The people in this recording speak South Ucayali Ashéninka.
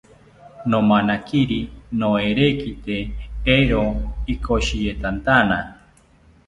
Nomanakiri noerekite eero ikoshitetantana